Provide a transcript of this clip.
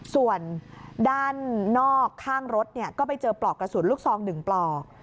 ส่วนด้านนอกข้างรถก็ไปเจอปลอกกระสุนลูกซอง๑ปลอก